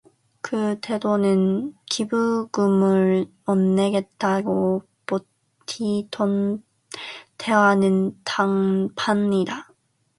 그 태도는 기부금을 못 내겠다고 버티던 때와는 딴판이다.